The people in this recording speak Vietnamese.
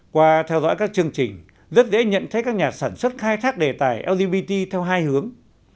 qua theo dõi các chương trình rất dễ nhận thấy các nhà sản xuất khai thác đề tài lgbt theo hai hướng